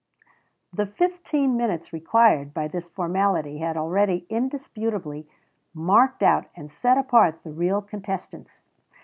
The fifteen minutes required by this formality had already indisputably marked out and set apart the real contestants.